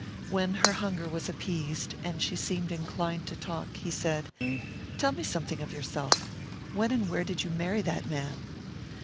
When her hunger was appeased, and she seemed inclined to talk, he said, "Tell me something of yourself. When and where did you marry that man?"